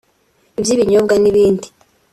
iby’ibinyobwa n’ibindi